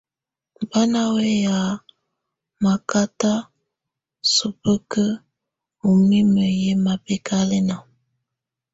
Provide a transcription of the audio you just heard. Bá ná wɛ́yá mákátá súbǝ́kinǝ́ ú mimǝ́ yɛ́ mábɛ́kálɛ́na.